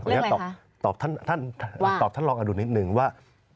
ขออนุญาตตอบท่านรองอดุลนิดหนึ่งว่า